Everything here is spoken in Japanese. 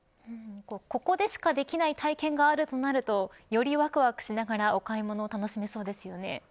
ここでしかできない体験があるとなるとよりわくわくしながらお買い物を楽しめそうですよね。